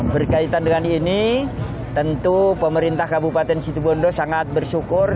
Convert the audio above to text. berkaitan dengan ini tentu pemerintah kabupaten situbondo sangat bersyukur